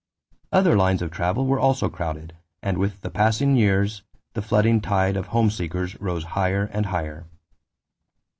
Other lines of travel were also crowded and with the passing years the flooding tide of home seekers rose higher and higher.